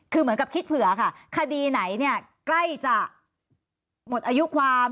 คือเหมือนกับคิดเผื่อค่ะคดีไหนเนี่ยใกล้จะหมดอายุความ